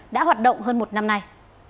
đã hoạt động hơn một năm nay